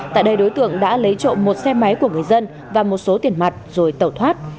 tại đây đối tượng đã lấy trộm một xe máy của người dân và một số tiền mặt rồi tẩu thoát